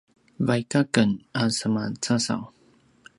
vaik aken a semacasaw